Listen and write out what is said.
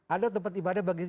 ada tempat ibadah bagaimana